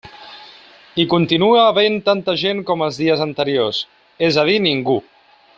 Hi continua havent tanta gent com els dies anteriors, és a dir ningú.